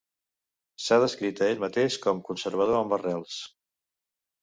S'ha descrit a ell mateix com "conservador amb arrels".